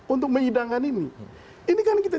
untuk menyidangkan ini ini kan kita